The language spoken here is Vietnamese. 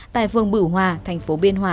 tại phường bửu hòa thành phố biên hòa